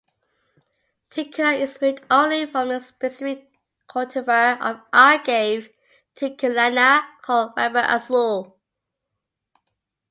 Tequila is made only from a specific cultivar of Agave tequilana called Weber Azul.